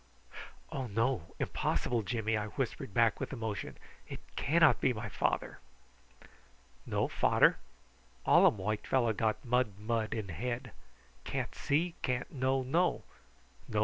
"Oh no! impossible, Jimmy," I whispered back with emotion. "It cannot be my father." "No fader? All um white fellow got mud mud in head. Can't see, can't know know.